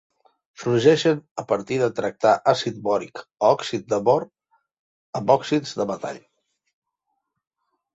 Sorgeixen a partir de tractar àcid bòric o òxid de bor amb òxids de metall.